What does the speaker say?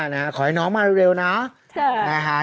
ก็ขอให้น้องมาเร็วนะ